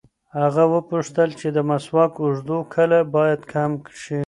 هغه وپوښتل چې د مسواک اوږدو کله باید کم شي.